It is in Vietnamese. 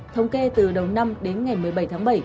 thống kê từ đầu năm đến ngày một mươi bảy tháng bảy